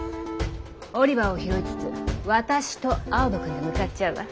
オリバーを拾いつつ私と青葉くんで向かっちゃうわ。